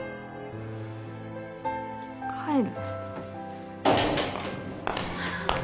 帰る